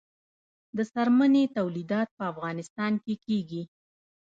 د څرمنې تولیدات په افغانستان کې کیږي